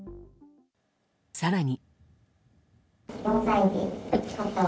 更に。